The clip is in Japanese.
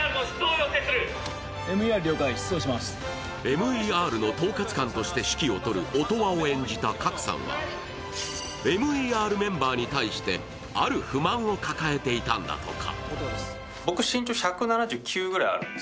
ＭＥＲの統括官として指揮を執る、音羽を演じた賀来さんはＭＥＲメンバーに対して、ある不満を抱えていたんだとか。